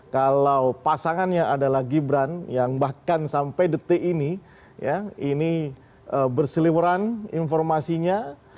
kalau pasangannya adalah gibran yang bahkan sampai detik ini ya ini berseliweran informasinya